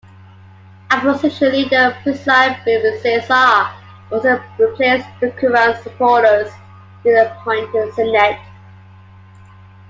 Opposition Leader Persad-Bissessar also replaced Dookeran's supporters in the appointed Senate.